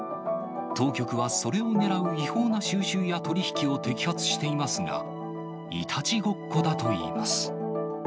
当局はそれを狙う違法な収集や取り引きを摘発していますが、いたちごっこだといいます。